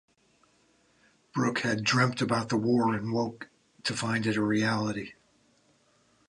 Brooke had dreamt about the war and woke to find it a reality.